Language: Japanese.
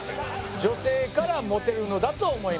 女性からモテるのだと思います。